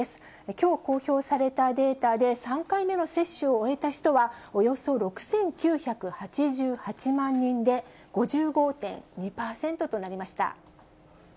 きょう公表されたデータで、３回目の接種を終えた人は、およそ６９８８万人で、５５．２％となりました。